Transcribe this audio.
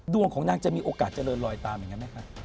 ดวงของนางจะมีโอกาสเจริญลอยตามอย่างนั้นไหมคะ